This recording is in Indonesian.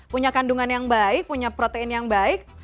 punya kandungan yang baik punya protein yang baik